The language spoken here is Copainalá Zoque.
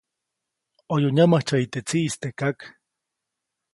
ʼOyu nyämäjtsyäyi teʼ tsiʼis teʼ kak.